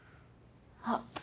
あっ